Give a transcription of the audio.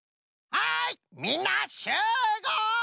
はいみんなしゅうごう！